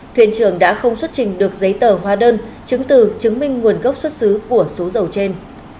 thuyền trưởng đã không xuất trình được giấy tờ hóa đơn chứng từ chứng minh nguồn gốc xuất xứ của số dầu trên